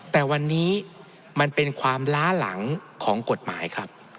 แต่วันนี้มันเป็นความล้าหลังของกฎหมายครับ